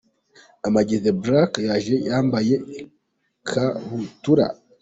Amag the Black yaje yambaye ikabutura.